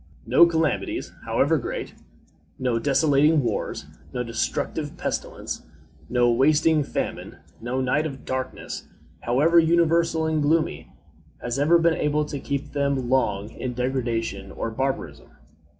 No calamities, however great no desolating wars, no destructive pestilence, no wasting famine, no night of darkness, however universal and gloomy has ever been able to keep them long in degradation or barbarism.